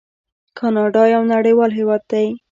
کاناډا یو نړیوال هیواد دی.